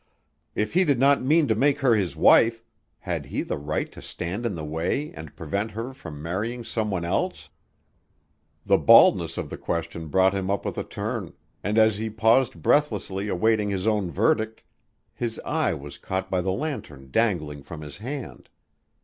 If he did not mean to make her his wife, had he the right to stand in the way and prevent her from marrying some one else? The baldness of the question brought him up with a turn, and as he paused breathlessly awaiting his own verdict, his eye was caught by the lantern dangling from his hand.